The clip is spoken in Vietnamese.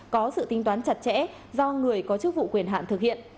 có sự tính toán chặt chẽ do người có chức vụ quyền hạn thực hiện